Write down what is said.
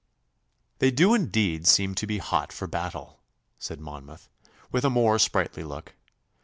'They do indeed seem to be hot for battle,' said Monmouth, with a more sprightly look.